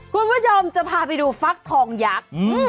คุณผู้ชมจะพาไปดูฟักทองยักษ์